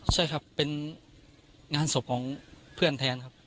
ใช่ครับเป็นงานศพของเพื่อนแทนครับ